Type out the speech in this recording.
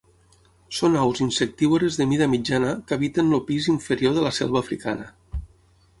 Són aus insectívores de mida mitjana que habiten el pis inferior de la selva africana.